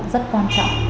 rất quan trọng